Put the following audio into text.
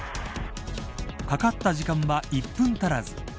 かかった時間は１分足らず。